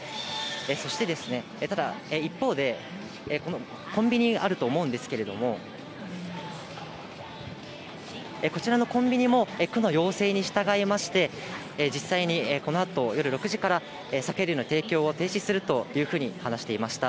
そして、ただ一方で、コンビにあると思うんですけれども、こちらのコンビニも、区の要請に従いまして、実際にこのあと、夜６時から酒類の提供を停止するというふうに話していました。